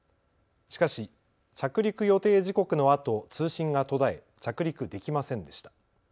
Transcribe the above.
しかし着陸予定時刻のあと通信が途絶え着陸できませんでした。